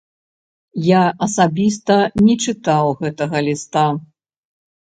Я асабіста не чытаў гэтага ліста.